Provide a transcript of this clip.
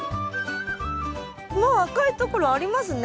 もう赤いところありますね。